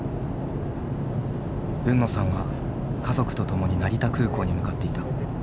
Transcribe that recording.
海野さんは家族と共に成田空港に向かっていた。